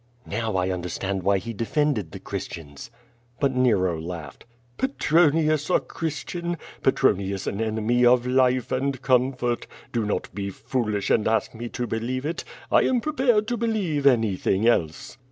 "Now I understand why he defended the Christians!" But Nero laughed. "Petronius a Christian? Petronius an enemy of life and comfori;? Do not be foolish and ask me to believe it. I am prepared to believe anything else."